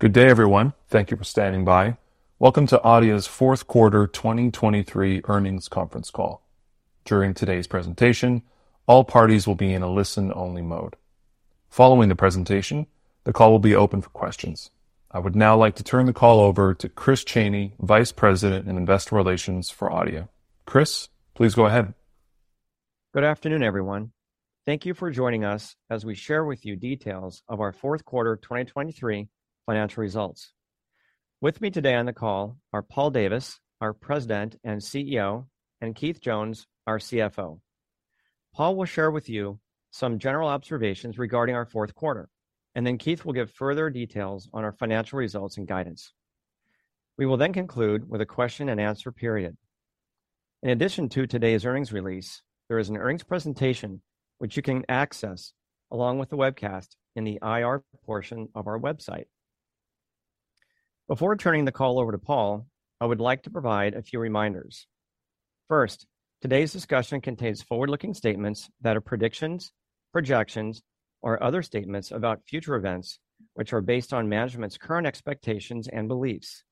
Good day, everyone. Thank you for standing by. Welcome to Adeia's Q4 2023 earnings conference call. During today's presentation, all parties will be in a listen-only mode. Following the presentation, the call will be open for questions. I would now like to turn the call over to Chris Chaney, Vice President in Investor Relations for Adeia. Chris, please go ahead. Good afternoon, everyone. Thank you for joining us as we share with you details of our Q4 2023 financial results. With me today on the call are Paul Davis, our President and CEO, and Keith Jones, our CFO. Paul will share with you some general observations regarding our Q4, and then Keith will give further details on our financial results and guidance. We will then conclude with a question and answer period. In addition to today's earnings release, there is an earnings presentation which you can access along with the webcast in the IR portion of our website. Before turning the call over to Paul, I would like to provide a few reminders. First, today's discussion contains forward-looking statements that are predictions, projections, or other statements about future events, which are based on management's current expectations and beliefs,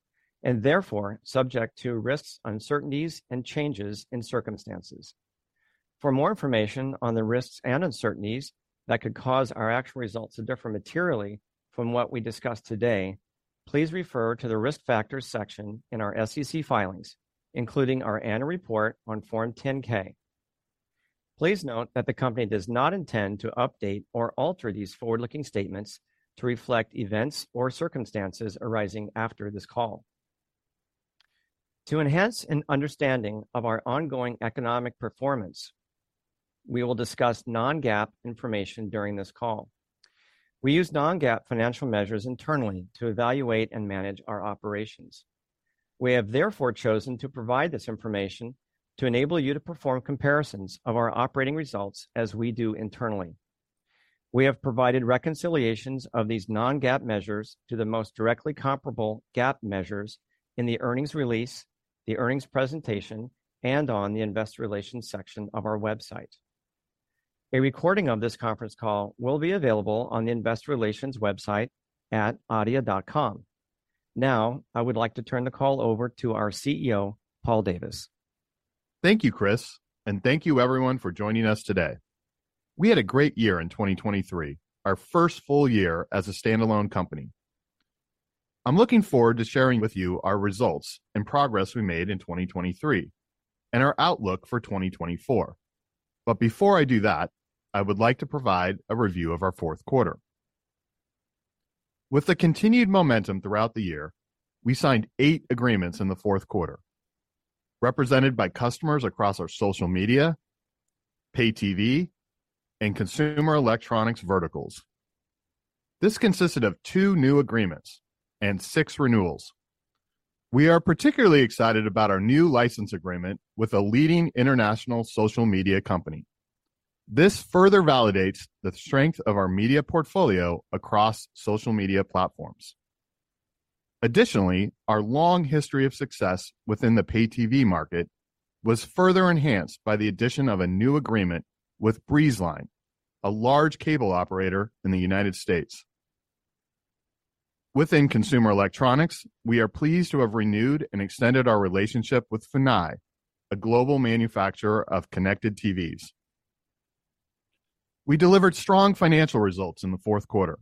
and therefore subject to risks, uncertainties, and changes in circumstances. For more information on the risks and uncertainties that could cause our actual results to differ materially from what we discuss today, please refer to the Risk Factors section in our SEC filings, including our annual report on Form 10-K. Please note that the company does not intend to update or alter these forward-looking statements to reflect events or circumstances arising after this call. To enhance an understanding of our ongoing economic performance, we will discuss non-GAAP information during this call. We use non-GAAP financial measures internally to evaluate and manage our operations. We have therefore chosen to provide this information to enable you to perform comparisons of our operating results as we do internally. We have provided reconciliations of these non-GAAP measures to the most directly comparable GAAP measures in the earnings release, the earnings presentation, and on the Investor Relations section of our website. A recording of this conference call will be available on the Investor Relations website at adeia.com. Now, I would like to turn the call over to our CEO, Paul Davis. Thank you, Chris, and thank you everyone for joining us today. We had a great year in 2023, our first full year as a standalone company. I'm looking forward to sharing with you our results and progress we made in 2023 and our outlook for 2024. But before I do that, I would like to provide a review of our Q4. With the continued momentum throughout the year, we signed 8 agreements in the Q4, represented by customers across our social media, pay TV, and consumer electronics verticals. This consisted of 2 new agreements and 6 renewals. We are particularly excited about our new license agreement with a leading international social media company. This further validates the strength of our media portfolio across social media platforms. Additionally, our long history of success within the pay TV market was further enhanced by the addition of a new agreement with Breezeline, a large cable operator in the United States. Within consumer electronics, we are pleased to have renewed and extended our relationship with Funai, a global manufacturer of connected TVs. We delivered strong financial results in the Q4,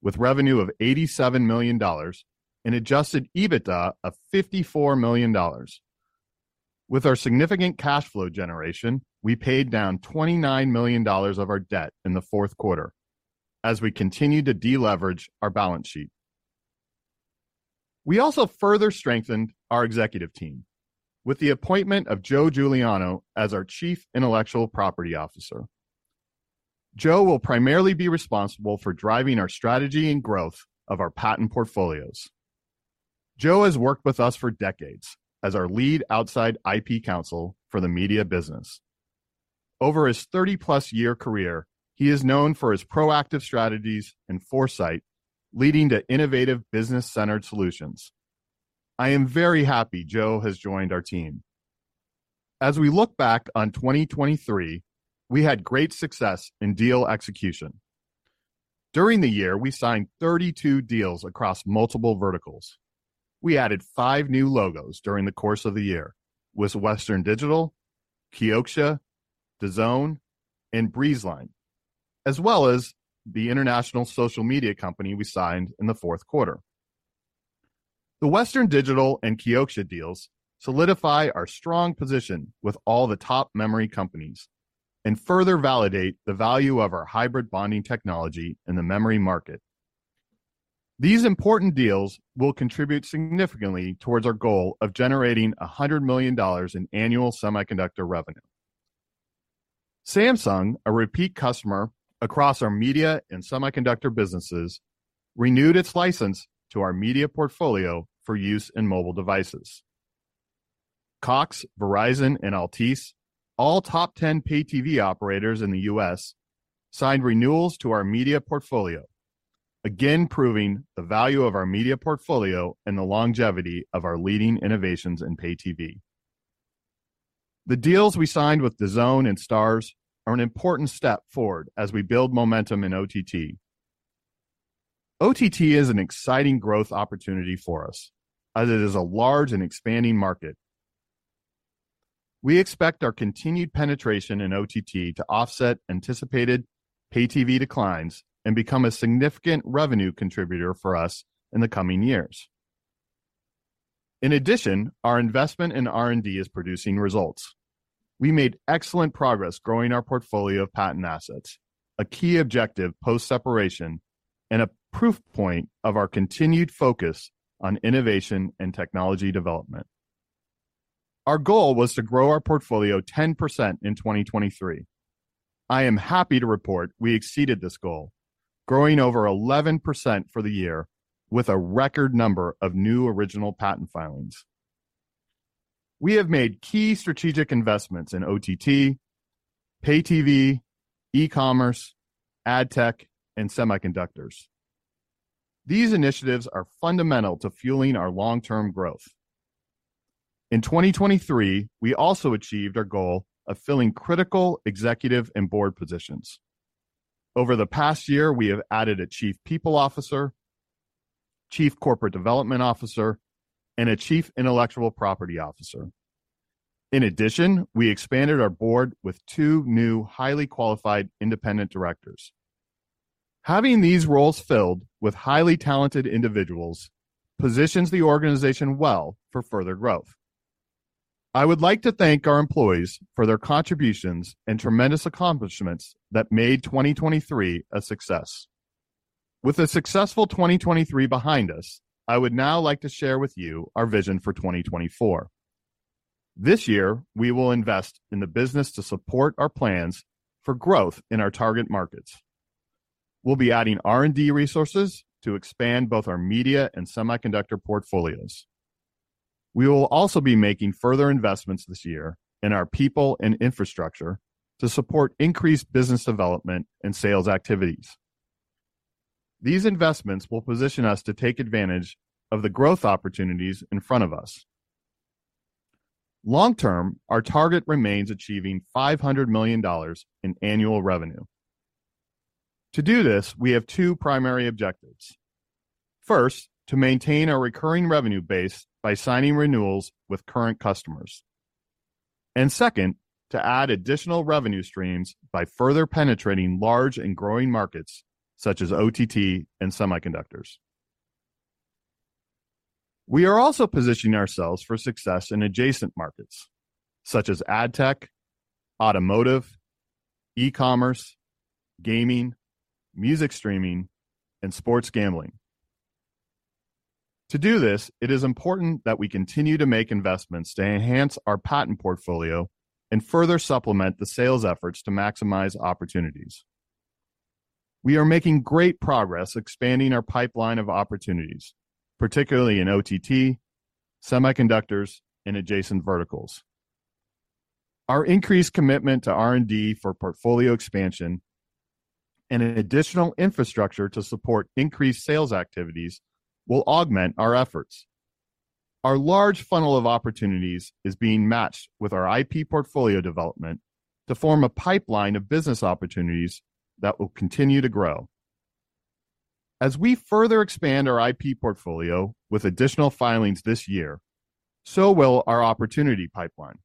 with revenue of $87 million and Adjusted EBITDA of $54 million. With our significant cash flow generation, we paid down $29 million of our debt in the Q4 as we continued to deleverage our balance sheet. We also further strengthened our executive team with the appointment of Joe Guiliano as our Chief Intellectual Property Officer. Joe will primarily be responsible for driving our strategy and growth of our patent portfolios. Joe has worked with us for decades as our lead outside IP counsel for the media business. Over his 30-plus-year career, he is known for his proactive strategies and foresight, leading to innovative business-centered solutions. I am very happy Joe has joined our team. As we look back on 2023, we had great success in deal execution. During the year, we signed 32 deals across multiple verticals. We added five new logos during the course of the year with Western Digital, Kioxia, DAZN, and Breezeline, as well as the international social media company we signed in the Q4. The Western Digital and Kioxia deals solidify our strong position with all the top memory companies and further validate the value of our hybrid bonding technology in the memory market. These important deals will contribute significantly towards our goal of generating $100 million in annual semiconductor revenue. Samsung, a repeat customer across our media and semiconductor businesses, renewed its license to our media portfolio for use in mobile devices. Cox, Verizon, and Altice, all top ten pay TV operators in the U.S., signed renewals to our media portfolio, again proving the value of our media portfolio and the longevity of our leading innovations in pay TV. The deals we signed with DAZN and STARZ are an important step forward as we build momentum in OTT. OTT is an exciting growth opportunity for us, as it is a large and expanding market. We expect our continued penetration in OTT to offset anticipated pay TV declines and become a significant revenue contributor for us in the coming years. In addition, our investment in R&D is producing results. We made excellent progress growing our portfolio of patent assets, a key objective post-separation, and a proof point of our continued focus on innovation and technology development. Our goal was to grow our portfolio 10% in 2023. I am happy to report we exceeded this goal, growing over 11% for the year with a record number of new original patent filings. We have made key strategic investments in OTT, pay TV, e-commerce, ad tech, and semiconductors. These initiatives are fundamental to fueling our long-term growth. In 2023, we also achieved our goal of filling critical executive and board positions. Over the past year, we have added a Chief People Officer, Chief Corporate Development Officer, and a Chief Intellectual Property Officer. In addition, we expanded our board with two new highly qualified independent directors. Having these roles filled with highly talented individuals positions the organization well for further growth. I would like to thank our employees for their contributions and tremendous accomplishments that made 2023 a success. With a successful 2023 behind us, I would now like to share with you our vision for 2024. This year, we will invest in the business to support our plans for growth in our target markets. We'll be adding R&D resources to expand both our media and semiconductor portfolios. We will also be making further investments this year in our people and infrastructure to support increased business development and sales activities. These investments will position us to take advantage of the growth opportunities in front of us. Long term, our target remains achieving $500 million in annual revenue. To do this, we have two primary objectives. First, to maintain our recurring revenue base by signing renewals with current customers. Second, to add additional revenue streams by further penetrating large and growing markets such as OTT and semiconductors. We are also positioning ourselves for success in adjacent markets such as ad tech, automotive, e-commerce, gaming, music streaming, and sports gambling. To do this, it is important that we continue to make investments to enhance our patent portfolio and further supplement the sales efforts to maximize opportunities. We are making great progress expanding our pipeline of opportunities, particularly in OTT, semiconductors, and adjacent verticals. Our increased commitment to R&D for portfolio expansion and an additional infrastructure to support increased sales activities will augment our efforts. Our large funnel of opportunities is being matched with our IP portfolio development to form a pipeline of business opportunities that will continue to grow. As we further expand our IP portfolio with additional filings this year, so will our opportunity pipeline.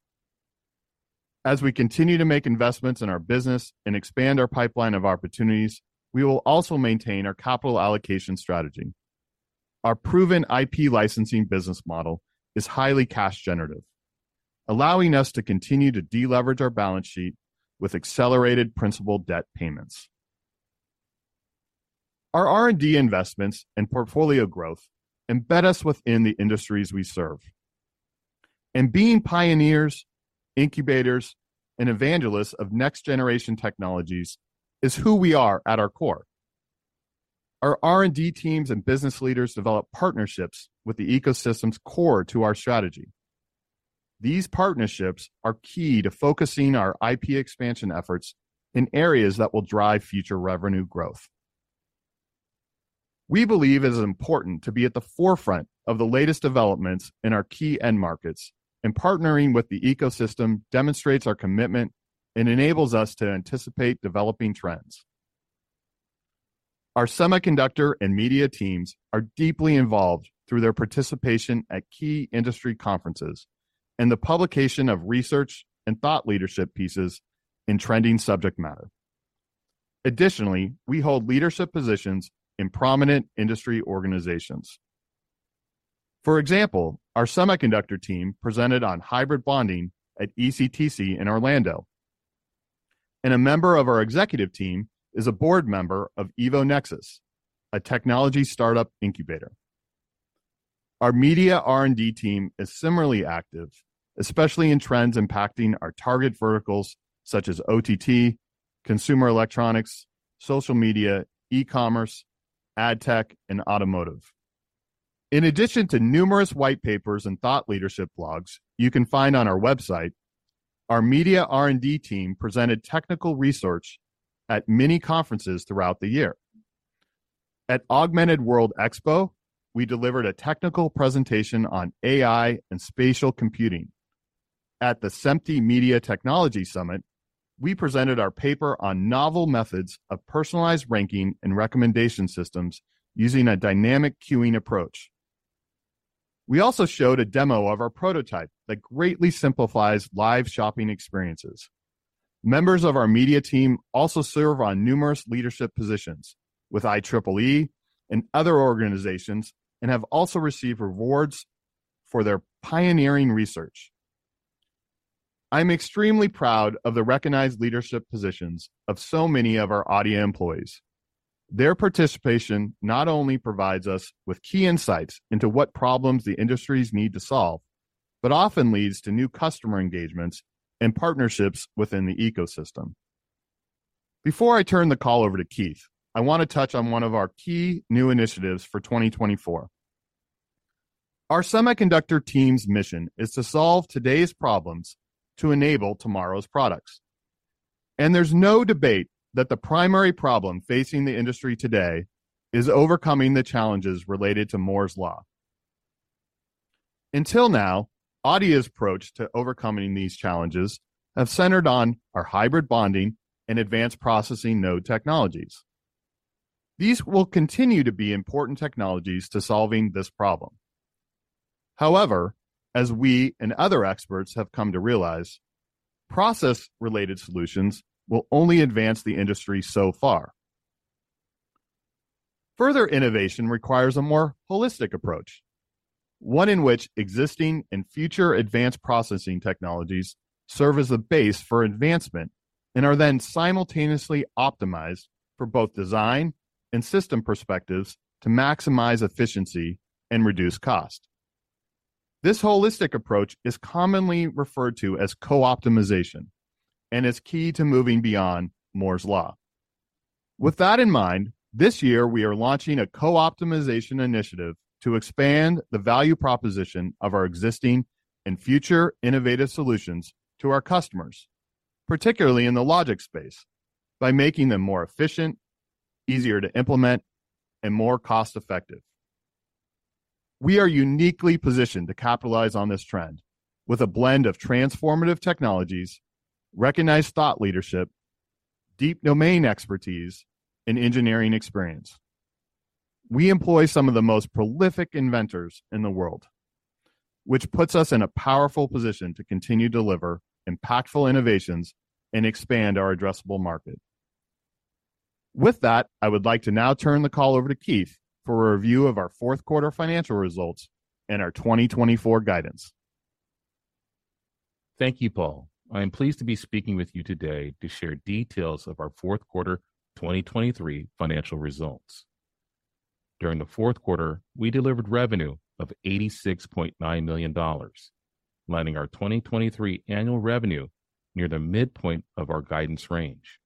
As we continue to make investments in our business and expand our pipeline of opportunities, we will also maintain our capital allocation strategy. Our proven IP licensing business model is highly cash generative, allowing us to continue to deleverage our balance sheet with accelerated principal debt payments. Our R&D investments and portfolio growth embed us within the industries we serve. And being pioneers, incubators, and evangelists of next-generation technologies is who we are at our core. Our R&D teams and business leaders develop partnerships with the ecosystems core to our strategy. These partnerships are key to focusing our IP expansion efforts in areas that will drive future revenue growth. We believe it is important to be at the forefront of the latest developments in our key end markets, and partnering with the ecosystem demonstrates our commitment and enables us to anticipate developing trends. Our semiconductor and media teams are deeply involved through their participation at key industry conferences and the publication of research and thought leadership pieces in trending subject matter. Additionally, we hold leadership positions in prominent industry organizations. For example, our semiconductor team presented on hybrid bonding at ECTC in Orlando, and a member of our executive team is a board member of EvoNexus, a technology startup incubator. Our media R&D team is similarly active, especially in trends impacting our target verticals such as OTT, consumer electronics, social media, e-commerce, ad tech, and automotive. In addition to numerous white papers and thought leadership blogs you can find on our website, our media R&D team presented technical research at many conferences throughout the year. At Augmented World Expo, we delivered a technical presentation on AI and spatial computing. At the SMPTE Media Technology Summit, we presented our paper on novel methods of personalized ranking and recommendation systems using a dynamic queuing approach. We also showed a demo of our prototype that greatly simplifies live shopping experiences. Members of our media team also serve on numerous leadership positions with IEEE and other organizations, and have also received awards for their pioneering research. I'm extremely proud of the recognized leadership positions of so many of our Adeia employees. Their participation not only provides us with key insights into what problems the industries need to solve, but often leads to new customer engagements and partnerships within the ecosystem. Before I turn the call over to Keith, I want to touch on one of our key new initiatives for 2024. Our semiconductor team's mission is to solve today's problems to enable tomorrow's products, and there's no debate that the primary problem facing the industry today is overcoming the challenges related to Moore's Law. Until now, Adeia's approach to overcoming these challenges have centered on our hybrid bonding and advanced processing node technologies. These will continue to be important technologies to solving this problem. However, as we and other experts have come to realize, process-related solutions will only advance the industry so far. Further innovation requires a more holistic approach, one in which existing and future advanced processing technologies serve as a base for advancement and are then simultaneously optimized for both design and system perspectives to maximize efficiency and reduce cost. This holistic approach is commonly referred to as co-optimization and is key to moving beyond Moore's Law. With that in mind, this year we are launching a co-optimization initiative to expand the value proposition of our existing and future innovative solutions to our customers, particularly in the logic space, by making them more efficient, easier to implement, and more cost-effective. We are uniquely positioned to capitalize on this trend with a blend of transformative technologies, recognized thought leadership, deep domain expertise, and engineering experience. We employ some of the most prolific inventors in the world, which puts us in a powerful position to continue to deliver impactful innovations and expand our addressable market. With that, I would like to now turn the call over to Keith for a review of our Q4 financial results and our 2024 guidance. Thank you, Paul. I am pleased to be speaking with you today to share details of our Q4 2023 financial results. During the Q4, we delivered revenue of $86.9 million, landing our 2023 annual revenue near the midpoint of our guidance range.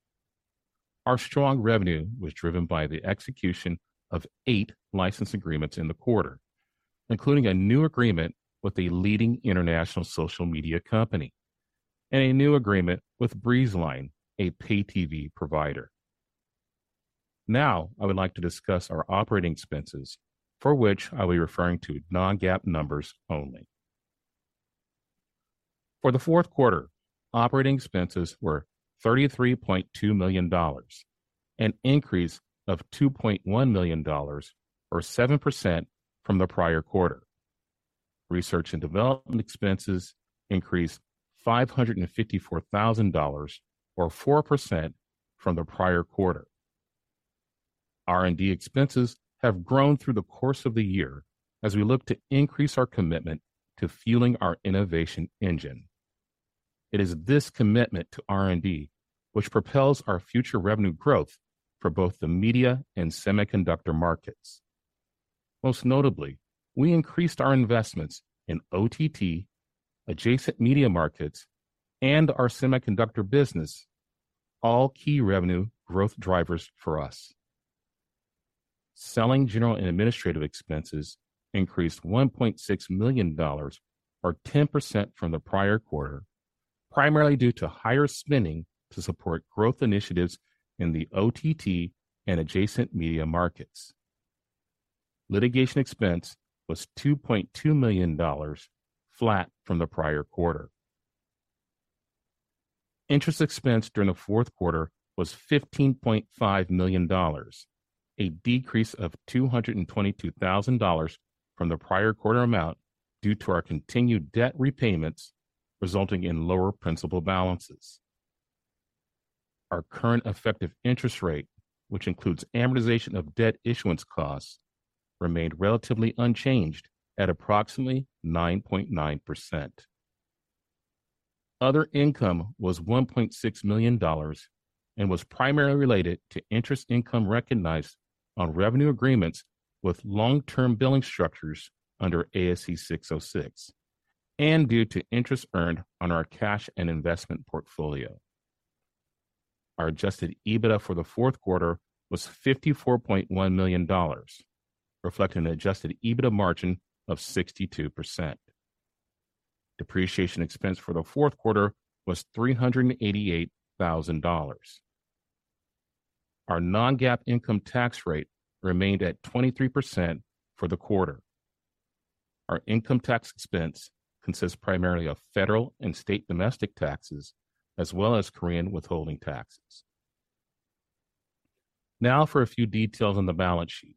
Our strong revenue was driven by the execution of 8 license agreements in the quarter, including a new agreement with a leading international social media company and a new agreement with Breezeline, a pay TV provider. Now, I would like to discuss our operating expenses, for which I'll be referring to non-GAAP numbers only. For the Q4, operating expenses were $33.2 million, an increase of $2.1 million, or 7% from the prior quarter. Research and development expenses increased $554,000, or 4%, from the prior quarter. R&D expenses have grown through the course of the year as we look to increase our commitment to fueling our innovation engine. It is this commitment to R&D which propels our future revenue growth for both the media and semiconductor markets. Most notably, we increased our investments in OTT, adjacent media markets, and our semiconductor business, all key revenue growth drivers for us. Selling, general, and administrative expenses increased $1.6 million, or 10% from the prior quarter, primarily due to higher spending to support growth initiatives in the OTT and adjacent media markets. Litigation expense was $2.2 million, flat from the prior quarter. Interest expense during the Q4 was $15.5 million, a decrease of $222,000 from the prior quarter amount due to our continued debt repayments, resulting in lower principal balances. Our current effective interest rate, which includes amortization of debt issuance costs, remained relatively unchanged at approximately 9.9%. Other income was $1.6 million and was primarily related to interest income recognized on revenue agreements with long-term billing structures under ASC 606, and due to interest earned on our cash and investment portfolio. Our adjusted EBITDA for the Q4 was $54.1 million, reflecting an adjusted EBITDA margin of 62%.... Depreciation expense for the Q4 was $388,000. Our non-GAAP income tax rate remained at 23% for the quarter. Our income tax expense consists primarily of federal and state domestic taxes, as well as Korean withholding taxes. Now for a few details on the balance sheet.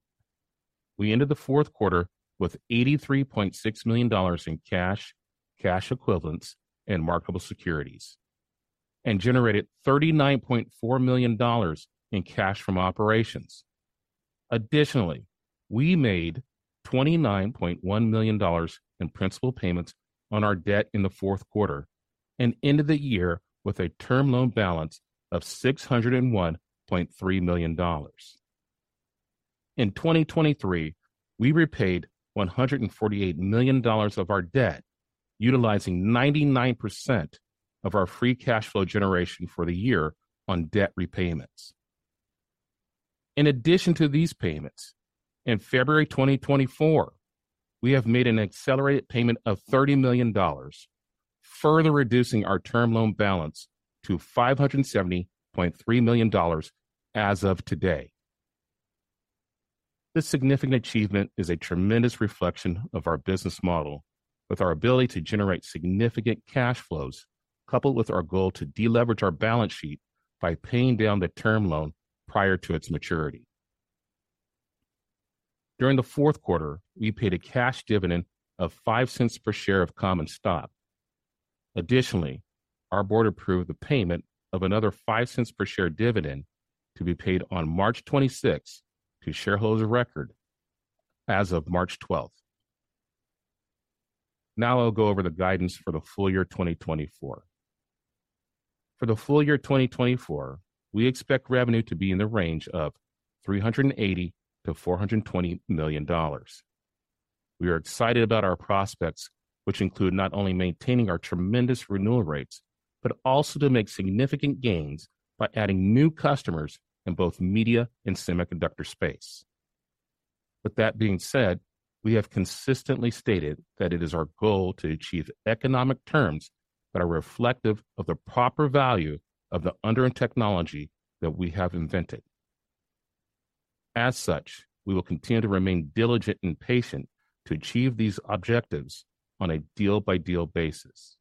We ended the Q4 with $83.6 million in cash, cash equivalents, and marketable securities, and generated $39.4 million in cash from operations. Additionally, we made $29.1 million in principal payments on our debt in the Q4, and ended the year with a term loan balance of $601.3 million. In 2023, we repaid $148 million of our debt, utilizing 99% of our free cash flow generation for the year on debt repayments. In addition to these payments, in February 2024, we have made an accelerated payment of $30 million, further reducing our term loan balance to $570.3 million as of today. This significant achievement is a tremendous reflection of our business model, with our ability to generate significant cash flows, coupled with our goal to deleverage our balance sheet by paying down the term loan prior to its maturity. During the Q4, we paid a cash dividend of $0.05 per share of common stock. Additionally, our board approved the payment of another $0.05 per share dividend to be paid on March 26th to shareholders of record as of March 12th. Now I'll go over the guidance for the full year 2024. For the full year 2024, we expect revenue to be in the range of $380 million-$420 million. We are excited about our prospects, which include not only maintaining our tremendous renewal rates, but also to make significant gains by adding new customers in both media and semiconductor space. With that being said, we have consistently stated that it is our goal to achieve economic terms that are reflective of the proper value of the underlying technology that we have invented. As such, we will continue to remain diligent and patient to achieve these objectives on a deal-by-deal basis.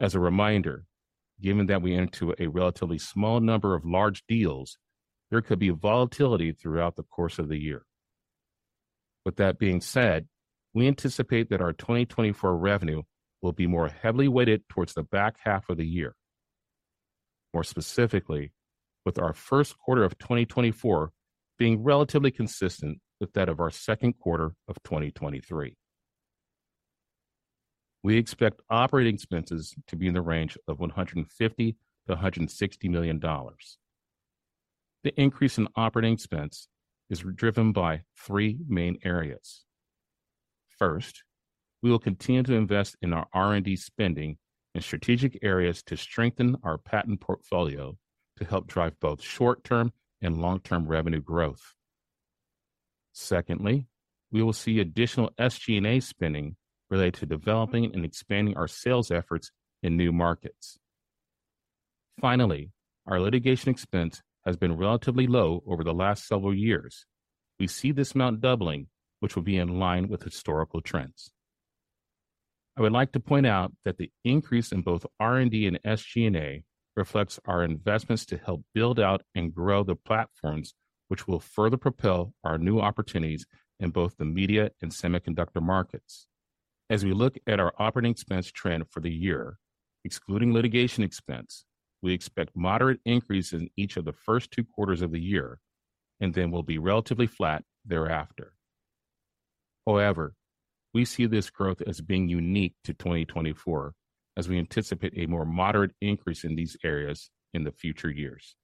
As a reminder, given that we enter into a relatively small number of large deals, there could be volatility throughout the course of the year. With that being said, we anticipate that our 2024 revenue will be more heavily weighted towards the back half of the year. More specifically, with our Q1 of 2024 being relatively consistent with that of our Q2 of 2023. We expect operating expenses to be in the range of $150 million-$160 million. The increase in operating expense is driven by 3 main areas. First, we will continue to invest in our R&D spending in strategic areas to strengthen our patent portfolio to help drive both short-term and long-term revenue growth. Secondly, we will see additional SG&A spending related to developing and expanding our sales efforts in new markets. Finally, our litigation expense has been relatively low over the last several years. We see this amount doubling, which will be in line with historical trends. I would like to point out that the increase in both R&D and SG&A reflects our investments to help build out and grow the platforms, which will further propel our new opportunities in both the media and semiconductor markets. As we look at our operating expense trend for the year, excluding litigation expense, we expect moderate increase in each of the first two quarters of the year, and then will be relatively flat thereafter. However, we see this growth as being unique to 2024, as we anticipate a more moderate increase in these areas in the future years.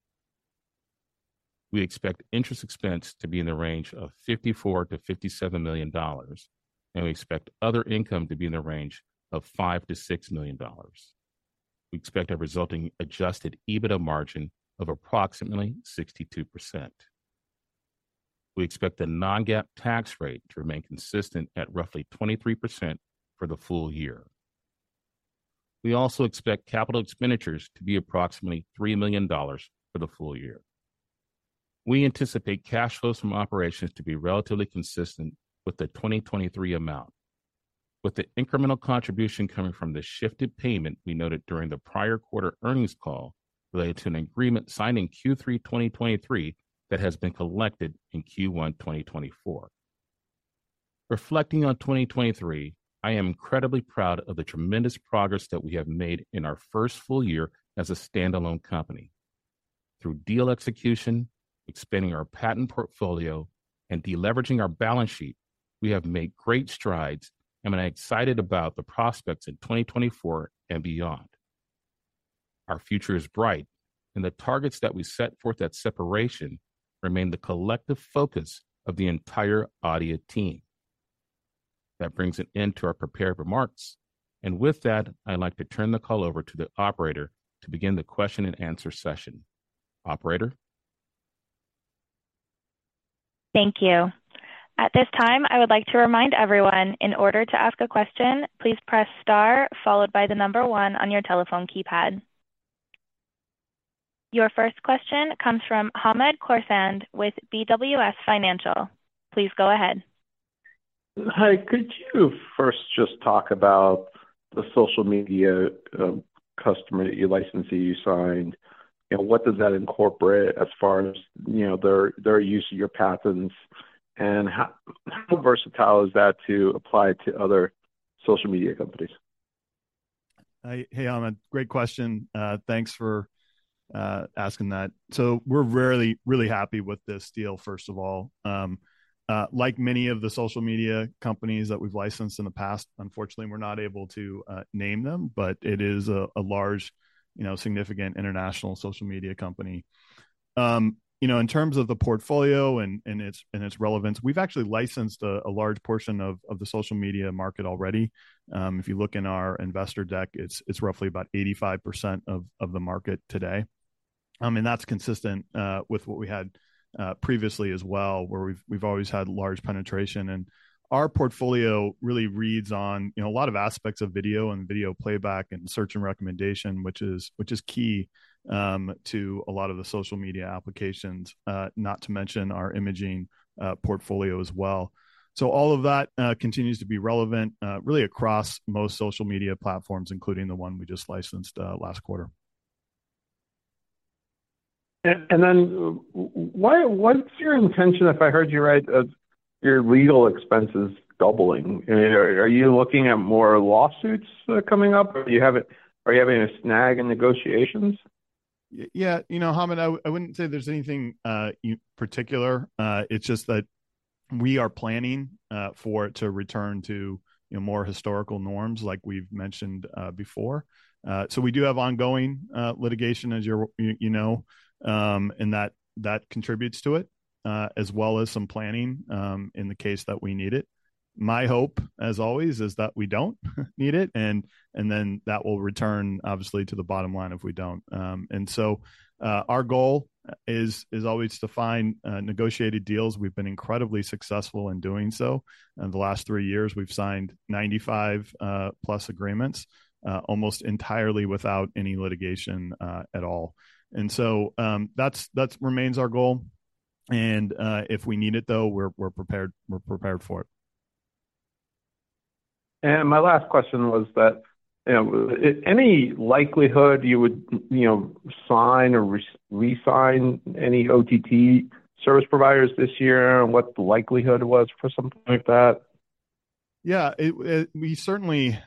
We expect interest expense to be in the range of $54 million-$57 million, and we expect other income to be in the range of $5 million-$6 million. We expect a resulting Adjusted EBITDA margin of approximately 62%. We expect the non-GAAP tax rate to remain consistent at roughly 23% for the full year. We also expect capital expenditures to be approximately $3 million for the full year. We anticipate cash flows from operations to be relatively consistent with the 2023 amount, with the incremental contribution coming from the shifted payment we noted during the prior quarter earnings call, related to an agreement signed in Q3 2023, that has been collected in Q1 2024. Reflecting on 2023, I am incredibly proud of the tremendous progress that we have made in our first full year as a standalone company. Through deal execution, expanding our patent portfolio, and deleveraging our balance sheet, we have made great strides, and I'm excited about the prospects in 2024 and beyond. Our future is bright, and the targets that we set forth at separation remain the collective focus of the entire Adeia team. That brings an end to our prepared remarks, and with that, I'd like to turn the call over to the operator to begin the question and answer session. Operator?... Thank you. At this time, I would like to remind everyone, in order to ask a question, please press star, followed by the number one on your telephone keypad. Your first question comes from Hamed Khorsand with BWS Financial. Please go ahead. Hi, could you first just talk about the social media customer, your licensee you signed? You know, what does that incorporate as far as, you know, their, their use of your patents? And how, how versatile is that to apply to other social media companies? Hey, Hamed, great question. Thanks for asking that. So we're really, really happy with this deal, first of all. Like many of the social media companies that we've licensed in the past, unfortunately, we're not able to name them, but it is a large, you know, significant international social media company. You know, in terms of the portfolio and its relevance, we've actually licensed a large portion of the social media market already. If you look in our investor deck, it's roughly about 85% of the market today. And that's consistent with what we had previously as well, where we've always had large penetration. Our portfolio really reads on, you know, a lot of aspects of video and video playback and search and recommendation, which is key to a lot of the social media applications, not to mention our imaging portfolio as well. So all of that continues to be relevant really across most social media platforms, including the one we just licensed last quarter. Then what is your intention, if I heard you right, of your legal expenses doubling? Are you looking at more lawsuits coming up or are you having a snag in negotiations? Yeah, you know, Hamid, I wouldn't say there's anything in particular. It's just that we are planning for it to return to, you know, more historical norms, like we've mentioned before. So we do have ongoing litigation, as you know, and that contributes to it, as well as some planning in the case that we need it. My hope, as always, is that we don't need it, and then that will return, obviously, to the bottom line if we don't. And so our goal is always to find negotiated deals. We've been incredibly successful in doing so. In the last three years, we've signed 95 plus agreements, almost entirely without any litigation at all. And so, that remains our goal, and if we need it though, we're prepared for it. My last question was that, you know, any likelihood you would, you know, sign or re-sign any OTT service providers this year, and what the likelihood was for something like that? Yeah, it, we certainly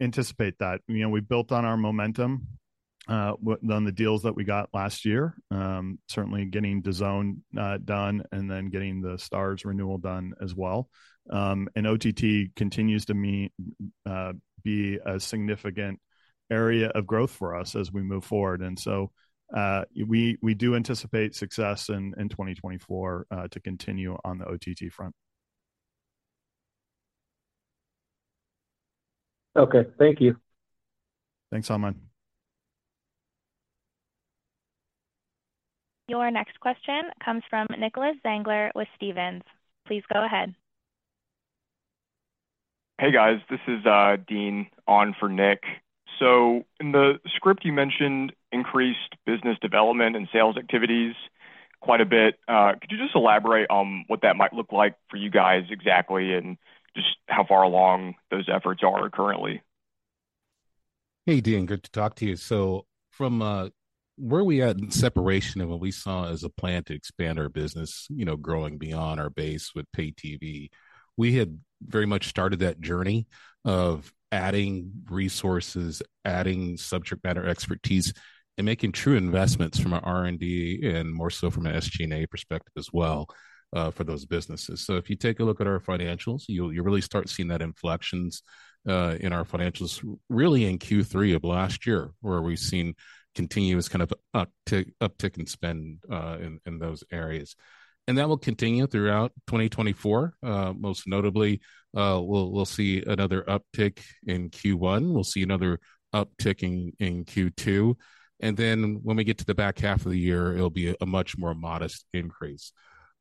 anticipate that. You know, we've built on our momentum, on the deals that we got last year. Certainly getting DAZN done, and then getting the STARZ renewal done as well. And OTT continues to be a significant area of growth for us as we move forward. And so, we, we do anticipate success in, in 2024, to continue on the OTT front. Okay. Thank you. Thanks, Hamid. Your next question comes from Nicholas Zangler with Stephens. Please go ahead. Hey, guys, this is Dean on for Nick. So in the script, you mentioned increased business development and sales activities quite a bit. Could you just elaborate on what that might look like for you guys exactly, and just how far along those efforts are currently? Hey, Dean, good to talk to you. So from where we at in separation and what we saw as a plan to expand our business, you know, growing beyond our base with pay TV, we had very much started that journey of adding resources, adding subject matter expertise, and making true investments from an R&D and more so from an SG&A perspective as well for those businesses. So if you take a look at our financials, you'll, you'll really start seeing that inflections in our financials, really in Q3 of last year, where we've seen continuous kind of uptick, uptick in spend in those areas. And that will continue throughout 2024. Most notably, we'll, we'll see another uptick in Q1. We'll see another uptick in Q2, and then when we get to the back half of the year, it'll be a much more modest increase.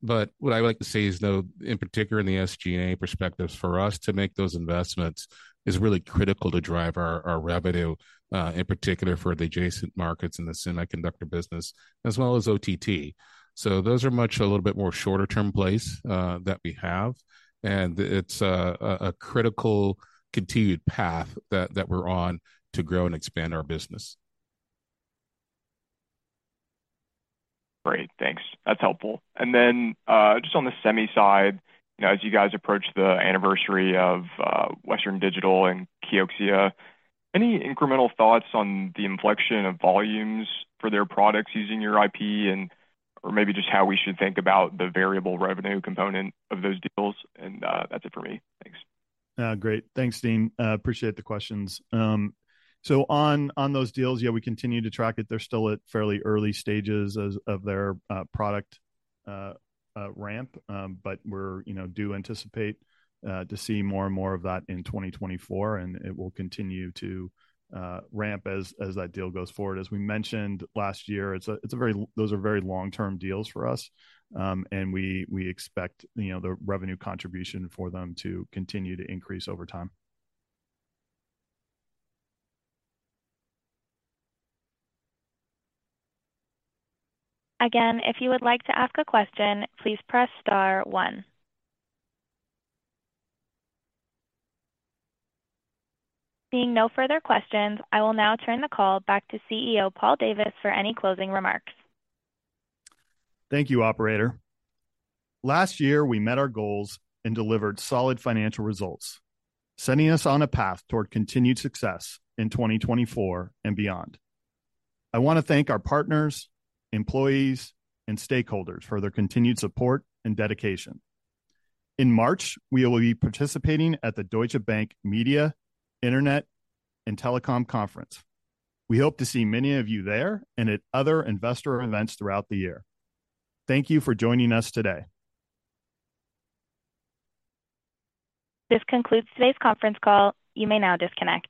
But what I would like to say is, though, in particular in the SG&A perspectives, for us to make those investments is really critical to drive our revenue, in particular for the adjacent markets and the semiconductor business, as well as OTT. So those are much a little bit more shorter term plays, that we have, and it's a critical continued path that we're on to grow and expand our business. Great, thanks. That's helpful. And then, just on the semi side, you know, as you guys approach the anniversary of, Western Digital and Kioxia, any incremental thoughts on the inflection of volumes for their products using your IP and, or maybe just how we should think about the variable revenue component of those deals? And, that's it for me. Thanks. Great. Thanks, Dean. Appreciate the questions. So on those deals, yeah, we continue to track it. They're still at fairly early stages of their product ramp, but we're, you know, do anticipate to see more and more of that in 2024, and it will continue to ramp as that deal goes forward. As we mentioned last year, it's a very, those are very long-term deals for us. And we expect, you know, the revenue contribution for them to continue to increase over time. Again, if you would like to ask a question, please press star one. Seeing no further questions, I will now turn the call back to CEO, Paul Davis, for any closing remarks. Thank you, operator. Last year, we met our goals and delivered solid financial results, sending us on a path toward continued success in 2024 and beyond. I want to thank our partners, employees, and stakeholders for their continued support and dedication. In March, we will be participating at the Deutsche Bank Media, Internet, and Telecom Conference. We hope to see many of you there and at other investor events throughout the year. Thank you for joining us today. This concludes today's conference call. You may now disconnect.